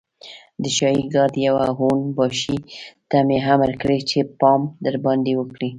د شاهي ګارډ يوه اون باشي ته مې امر کړی چې پام درباندې وکړي.